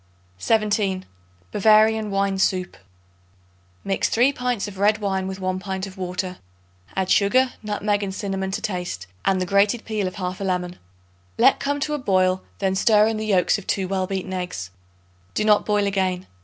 17. Bavarian Wine Soup. Mix 3 pints of red wine with 1 pint of water. Add sugar, nutmeg and cinnamon to taste and the grated peel of half a lemon. Let come to a boil; then stir in the yolks of 2 well beaten eggs. Do not boil again.